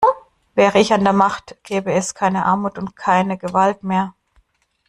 Wäre ich an der Macht, gäbe es keine Armut und keine Gewalt mehr!